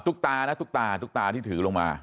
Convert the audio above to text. ตานะตุ๊กตาตุ๊กตาที่ถือลงมา